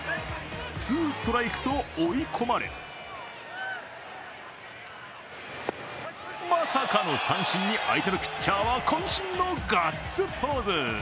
ツーストライクと追い込まれまさかの三振に相手のピッチャーはこん身のガッツポーズ。